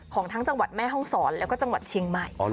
ของทั้งจังหวัดแม่ห้องศรแล้วก็จังหวัดเชียงใหม่